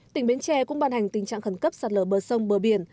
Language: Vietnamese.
tỉnh bến tre cũng ban hành tình trạng khẩn cấp sạt lở bờ sông bờ biển